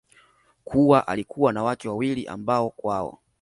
kuwa alikuwa na wake wawili ambao kwao